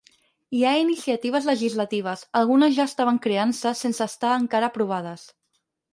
Hi ha iniciatives legislatives, algunes ja estaven creant-se sense estar encara aprovades.